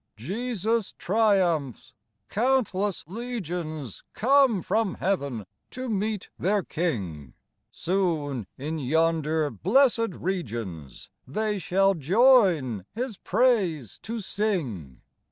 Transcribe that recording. Jesus triumphs ! Countless legions Come from heaven to meet their King \ Soon, in yonder blessed regions, They shall join His praise to sing.